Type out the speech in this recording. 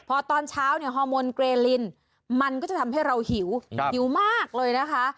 พอตอนเช้าเนี่ยฮอร์โมนเกรลินมันก็จะทำให้เราหิวหิวมากเลยนะคะ